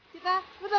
kita putar lagi